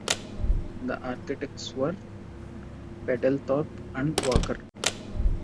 The architects were Peddle Thorp and Walker.